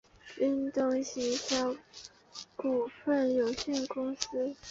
运动行销股份有限公司